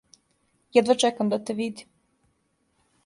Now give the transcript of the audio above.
Једва чекам да те видим.